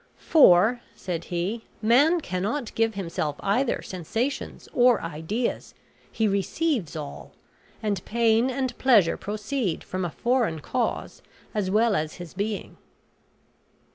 "For," said he, "man cannot give himself either sensations or ideas; he receives all; and pain and pleasure proceed from a foreign cause as well as his being."